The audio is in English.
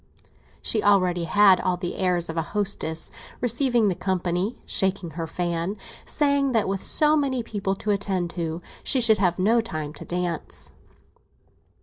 She already had all the airs of a hostess, receiving the company, shaking her fan, saying that with so many people to attend to she should have no time to dance.